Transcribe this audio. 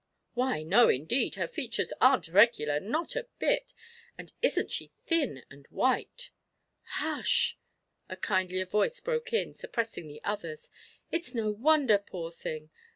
"Why, no, indeed. Her features aren't regular not a bit. And isn't she thin and white!" "Hush!" a kindlier voice broke in, suppressing the others. "It's no wonder, poor thing.